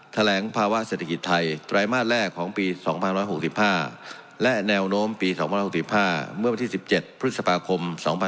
แถลงภาวะเศรษฐกิจไทยไตรมาสแรกของปี๒๑๖๕และแนวโน้มปี๒๐๖๕เมื่อวันที่๑๗พฤษภาคม๒๕๖๒